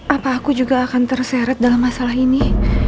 apa aku juga akan terseret dalam masalah ini